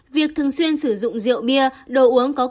việc thường xuyên sử dụng rượu bia đồ uống có cồn sẽ làm ức chế